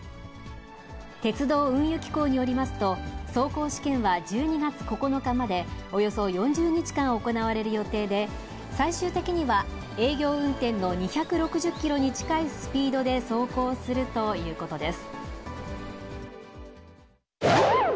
鉄道・運輸機構によりますと、走行試験は１２月９日までおよそ４０日間行われる予定で、最終的には、営業運転の２６０キロに近いスピードで走行するということです。